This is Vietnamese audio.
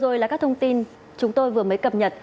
rồi là các thông tin chúng tôi vừa mới cập nhật